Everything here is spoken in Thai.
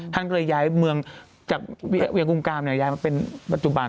ท่านก็เลยย้ายเมืองจากเวียงกุมกามย้ายมาเป็นปัจจุบัน